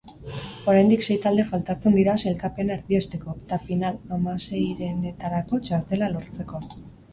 Oraindik sei talde faltatzen dira sailkapena erdiesteko eta final-hamaseirenetarako txartela lortzeko.